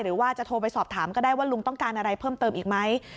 หรือว่าจะโทรไปสอบถามก็ได้ว่าลุงต้องการอะไรเพิ่มเติมอีกไหม